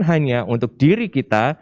hanya untuk diri kita